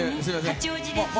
八王子ですよね。